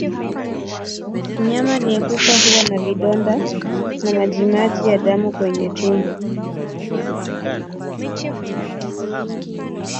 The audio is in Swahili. Mnyama aliyekufa huwa na vidonda na majimaji ya damu kwenye tumbo